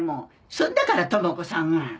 そんなだから智子さんも。